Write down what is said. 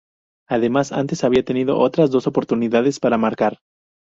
Además, antes había tenido otras dos oportunidades para marcar.